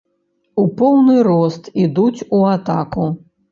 У поўны рост ідуць у атаку.